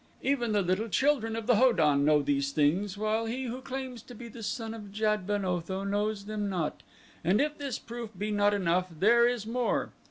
"Even the little children of the Ho don know these things, while he who claims to be the son of Jad ben Otho knows them not; and if this proof be not enough, there is more.